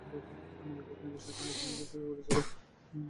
মূলতঃ তিনি বিশেষজ্ঞ ফিল্ডিং কোচ হিসেবে পরিচিত।